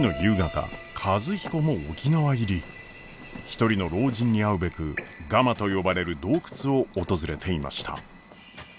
一人の老人に会うべくガマと呼ばれる洞窟を訪れていました。